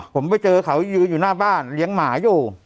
ผมไปเจอเขายืนอยู่หน้าบ้านเลี้ยงหมาอยู่